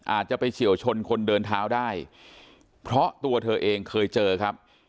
อาจจะไปเฉียวชนคนเดินเท้าได้เพราะตัวเธอเองเคยเจอครับ